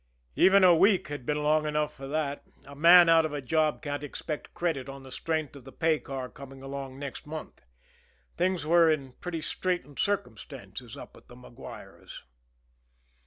Even a week had been long enough for that a man out of a job can't expect credit on the strength of the pay car coming along next month. Things were in pretty straitened circumstances up at the Maguires.